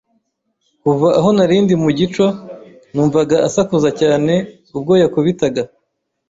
Kuva aho nari ndi mu gico, numvaga asakuza cyane ubwo yakubitaga.